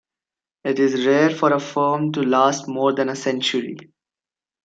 It is rare for a firm to last more than a century.